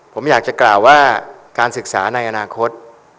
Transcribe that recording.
ผมอยากจะกล่าวว่าการศึกษาในอนาคต